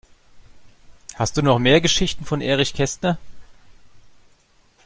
Hast du noch mehr Geschichten von Erich Kästner?